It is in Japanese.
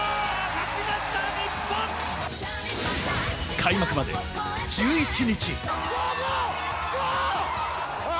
開幕まで１１日。